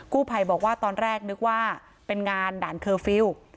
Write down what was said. ภัยบอกว่าตอนแรกนึกว่าเป็นงานด่านเคอร์ฟิลล์